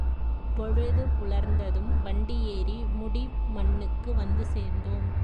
பொழுது புலர்ந்ததும் வண்டியேறி முடிமன்னுக்கு வந்து சேர்ந்தோம்.